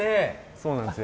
そうなんですよ。